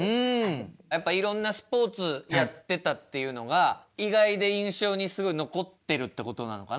やっぱいろんなスポーツやってたっていうのが意外で印象にすごい残ってるってことなのかな？